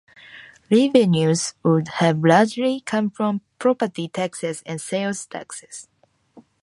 Revenues would have largely come from property taxes and sales taxes.